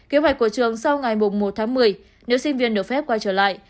kiếm hạch của trường sau ngày một một một mươi nếu sinh viên được phép quay trở lại